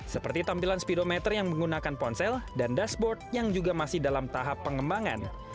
seperti tampilan speedometer yang menggunakan ponsel dan dashboard yang juga masih dalam tahap pengembangan